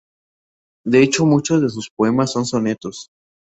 De hecho muchos de sus poemas son sonetos.